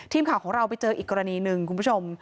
ทีมข่าวของเราไปเจออีกกรณีหนึ่งคุณผู้ชม